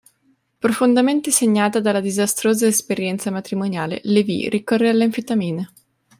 Profondamente segnata dalla disastrosa esperienza matrimoniale, Lévy ricorre alle anfetamine.